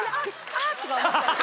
あっ！とか思っちゃって。